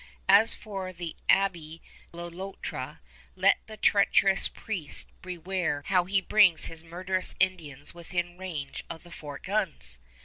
As for the Abbé Le Loutre, let the treacherous priest beware how he brings his murderous Indians within range of the fort guns!